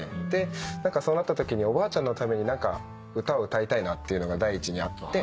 そうなったときにおばあちゃんのために何か歌を歌いたいなっていうのが第一にあって。